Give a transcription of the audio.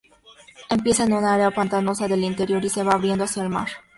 Empieza en un área pantanosa del interior y se va abriendo hacia el mar